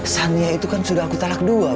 sangia itu kan sudah aku talak dua